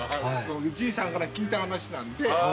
じいさんから聞いた話なんで。